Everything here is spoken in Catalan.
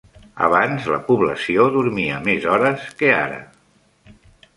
Abans la població dormia més hores que ara.